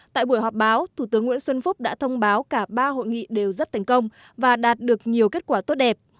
tại buổi họp báo thủ tướng nguyễn xuân phúc đã thông báo cả ba hội nghị đều rất thành công và đạt được nhiều kết quả tốt đẹp